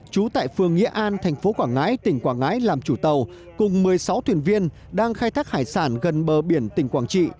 trú tại phường nghĩa an thành phố quảng ngãi tỉnh quảng ngãi làm chủ tàu cùng một mươi sáu thuyền viên đang khai thác hải sản gần bờ biển tỉnh quảng trị